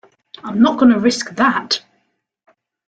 I'm not going to risk that!